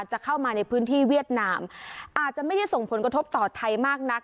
จะเข้ามาในพื้นที่เวียดนามอาจจะไม่ได้ส่งผลกระทบต่อไทยมากนัก